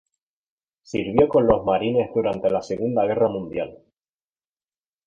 Sirvió con los Marines durante la Segunda Guerra Mundial.